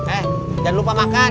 eh jangan lupa makan